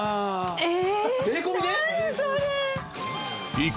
えっ！